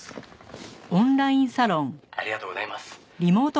「ありがとうございます」